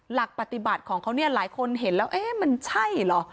หลักปฏิบัติของเขาเนี่ยหลายคนเห็นแล้วเอ๊ะมันใช่เหรอ